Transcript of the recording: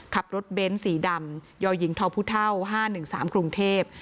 ขับรถเบ้นท์สีดำยอยหญิงทอพุท่าว๕๑๓กรุงเทพฯ